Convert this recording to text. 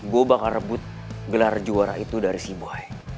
gue bakal rebut gelar juara itu dari si buai